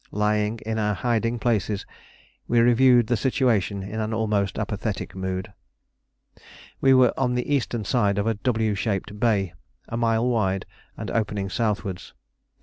Lying in our hiding places we reviewed the situation in an almost apathetic mood. We were on the eastern side of a W shaped bay, a mile wide, and opening southwards.